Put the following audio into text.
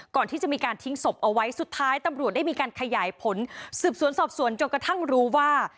ก่อนที่จะมีการทิ้งศพเอาไว้สุดท้ายตำรวจได้มีการขยายผลสืบสวนสอบสวนจนกระทั่งรู้ว่า